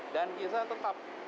dan bisa tetap